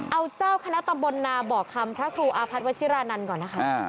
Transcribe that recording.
เอาเจ้าคณะตำบลนาบอกคำพระครูอาพัฒนวัชิรานันต์ก่อนนะคะ